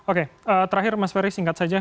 oke terakhir mas ferry singkat saja